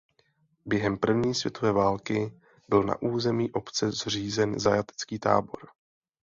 Během první světové války byl na území obce zřízen zajatecký tábor.